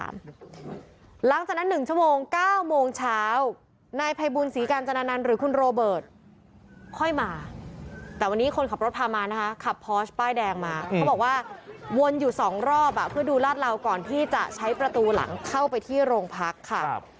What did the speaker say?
เขาบอกว่าตามข้อกำหนดเงื่อนไขการประกันตัวเนี่ยคือต้องมารายงานตัวทุก๕วัน